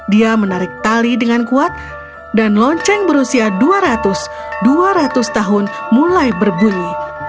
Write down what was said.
dia menarik tali dengan kuat dan lonceng berusia dua ratus dua ratus tahun mulai berbunyi